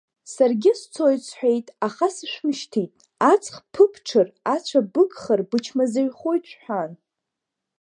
Саргьы сцоит, — сҳәеит, аха сышәмышьҭит, аҵх ԥыбҽыр, ацәа быгхар, бычмазаҩхоит, шәҳәан.